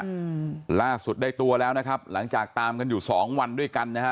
อืมล่าสุดได้ตัวแล้วนะครับหลังจากตามกันอยู่สองวันด้วยกันนะฮะ